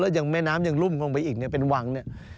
แล้วยังแม่น้ำยังรุ่มลงไปอีกเนี่ยเป็นวังเนี่ย